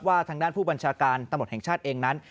ทางด้านผู้บัญชาการตำรวจแห่งชาติเองนั้น